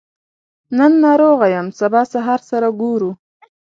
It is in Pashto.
نن ناروغه يم سبا سهار سره ګورو